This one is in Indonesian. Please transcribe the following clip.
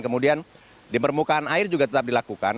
kemudian di permukaan air juga tetap dilakukan